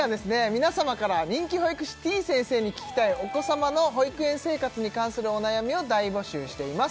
皆様から人気保育士てぃ先生に聞きたいお子様の保育園生活に関するお悩みを大募集しています